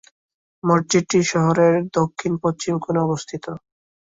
মসজিদটি শহরের দক্ষিণ-পশ্চিম কোণে অবস্থিত।